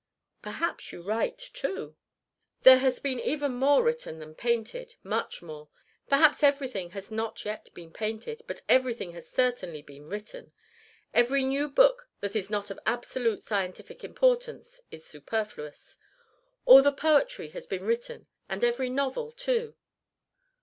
"Perhaps you write too?" "There has been even more written than painted, much more. Perhaps everything has not yet been painted, but everything has certainly been written. Every new book that is not of absolute scientific importance is superfluous. All the poetry has been written and every novel too."